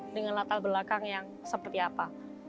dengan latar belakang yang seperti apa